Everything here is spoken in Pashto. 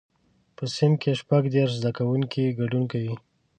په صنف کې شپږ دیرش زده کوونکي ګډون کوي.